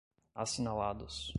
assinalados